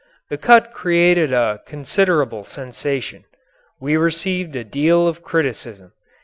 The cut created a considerable sensation. We received a deal of criticism.